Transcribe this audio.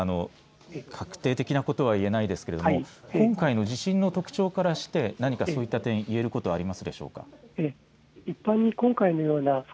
もちろん確定的なことは言えないですが今回の地震の特徴からして何かそういった点いえることはありますでしょうか。